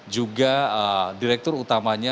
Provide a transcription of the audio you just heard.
juga direktur utama dari bpom